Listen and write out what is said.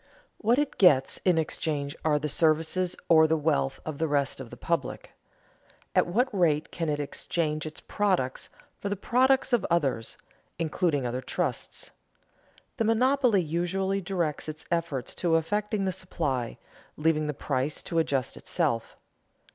What it gets in exchange are the services or the wealth of the rest of the public. At what rate can it exchange its products for the products of others (including other trusts)? The monopoly usually directs its efforts to affecting the supply, leaving the price to adjust itself.